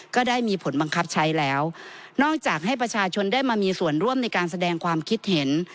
ก็ได้มีผลบังคับใช้แล้วนอกจากให้ประชาชนได้มามีส่วนร่วมในการแสดงความคิดเห็น